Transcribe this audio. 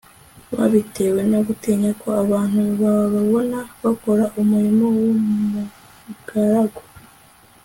babitewe no gutinya ko abantu bababona bakora umurimo wumugaragu